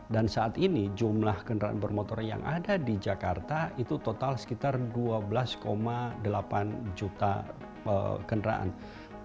dan saat ini jumlah kendaraan bermotor yang ada di jakarta itu total sekitar dua belas delapan juta kendaraan bermotor